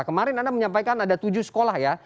kemarin anda menyampaikan ada tujuh sekolah ya